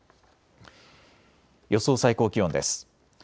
予想最高気温です。